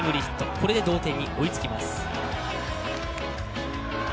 これで同点に追いつきます。